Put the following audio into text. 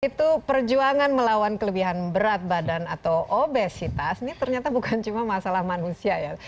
itu perjuangan melawan kelebihan berat badan atau obesitas ini ternyata bukan cuma masalah manusia ya